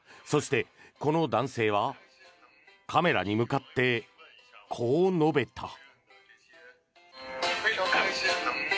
そしてこの男性はカメラに向かって、こう述べた。